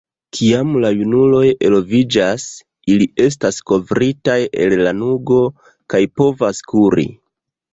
Kiam la junuloj eloviĝas, ili estas kovritaj el lanugo kaj povas kuri.